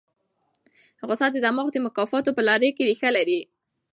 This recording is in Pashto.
غوسه د دماغ د مکافاتو په کړۍ کې ریښه لري.